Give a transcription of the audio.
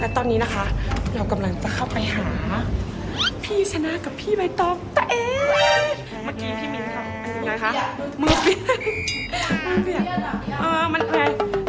และตอนนี้นะคะเรากำลังจะเข้าไปหาพี่ชนะกับพี่ใบตองตัวเอง